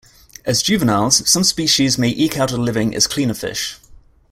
As juveniles, some species may eke out a living as cleaner fish.